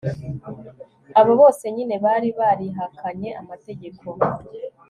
abo bose nyine bari barihakanye amategeko